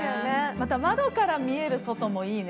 また窓から見える外もいいね。